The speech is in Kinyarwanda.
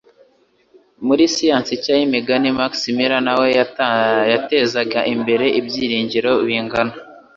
Muri siyansi nshya y'imigani, Max Muller na we yatezaga imbere ibyiringiro bingana